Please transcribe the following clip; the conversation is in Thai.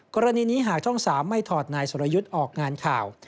กรณีนี้หากช่อง๓ไม่ถอดนายสรยุทธ์ออกงานข่าว